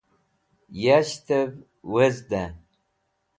Yashtev wezday